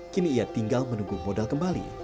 kini ia tinggal menunggu modal kembali